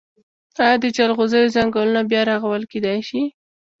آیا د جلغوزیو ځنګلونه بیا رغول کیدی شي؟